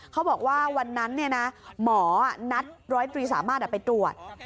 เขาบอกว่าวันนั้นหมอนัดร้อยตรีสามารถไปตรวจ